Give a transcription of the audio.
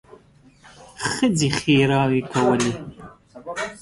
ښځې ښېراوې کولې.